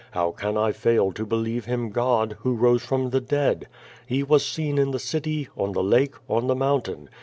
How can I fail to believe Him God, who rose from the dead? He was seen in the city, on the lake, on the mountain.